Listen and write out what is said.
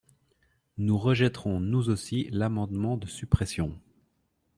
Nous rejetterons, nous aussi, l’amendement de suppression.